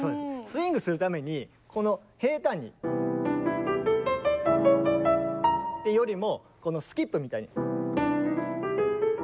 スウィングするためにこの平たんに。ってよりもこのスキップみたいに。